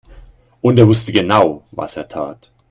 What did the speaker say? Und er wusste genau, was er tat.